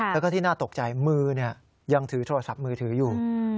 แล้วก็ที่น่าตกใจมือยังถือโทรศัพท์มือถืออยู่